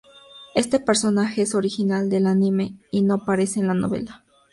Este personaje es original del anime, y no aparece en la novela.